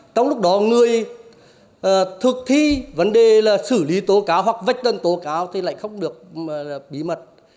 trong lúc đó người thực thi vấn đề là xử lý tố cáo hoặc vách tân tố cáo thì lại không được bí mật